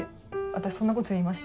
私そんな事言いました？